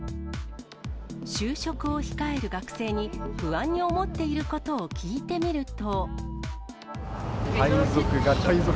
就職を控える学生に不安に思っていることを聞いてみると。